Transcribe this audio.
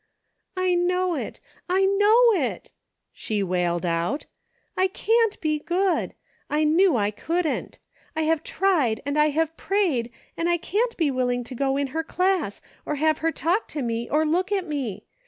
'"I know it, I know it," she wailed out ;" I can't be good ! I knew I couldn't. I have tried, and I have prayed, and I can't be willing to go in her class, or have her talk to me, or look at me.